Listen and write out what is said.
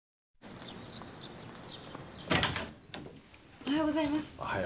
おはようございます。